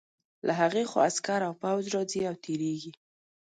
له هغې خوا عسکر او پوځ راځي او تېرېږي.